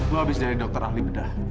lo habis dari dokter ahli bedah